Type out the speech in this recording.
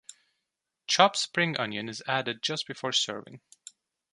Chopped spring onion is added just before serving.